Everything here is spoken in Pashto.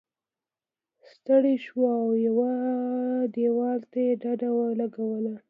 ستړی شو او یوه دیوال ته یې ډډه ولګوله.